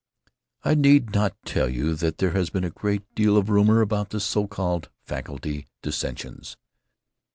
"I need not tell you that there has been a great deal of rumor about the so called 'faculty dissensions.'